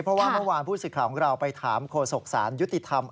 เพราะว่าเมื่อวานผู้สิทธิ์ของเราไปถามโฆษกศาลยุติธรรม